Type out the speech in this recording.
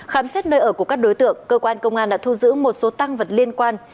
khám xét nơi ở của các đối tượng cơ quan công an đã thu giữ một số tăng vật liên quan